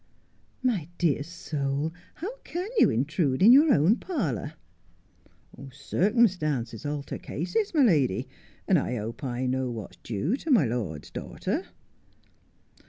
' My dear soul, how can you intrude in your own parlour ?'' Circumstances alter cases, my lady, and I hope I know what's due to my lord's daughter.'